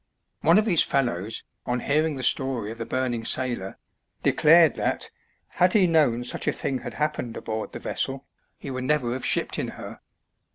One of these fellows, on hearing the story of the burning sailor, declared that, had he known such a thing had happened aboard the vessel, he would never have shipped in her.